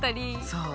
そう。